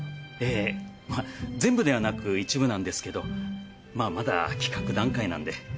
えぇ全部ではなく一部なんですけどまあまだ企画段階なんで。